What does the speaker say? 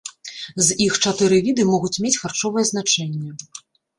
З іх чатыры віды могуць мець харчовае значэнне.